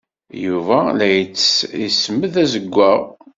Yuba la yettess ismed azewwaɣ.